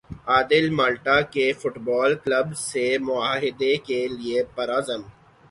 عادل Malta کے football club سے معاہدے کے لیے پرعزم